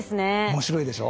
面白いでしょう？